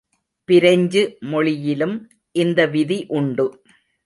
French மொழியிலும் இந்த விதி உண்டு.